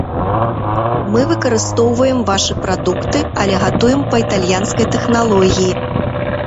Мы выкарыстоўваем вашы прадукты, але гатуем па італьянскай тэхналогіі.